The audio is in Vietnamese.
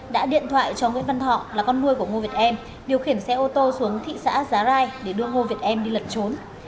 đã điện thoại cho nguyễn văn thọ là con nuôi của ngô việt em điều khiển xe ô tô xuống thị xã giá rai để đưa ngô việt em đi lật trốn